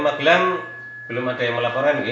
magelang belum ada yang melaporkan